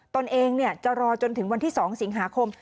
ตนเองจะรอจนถึงวันที่๒สิงหาคม